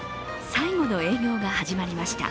最後の営業が始まりました。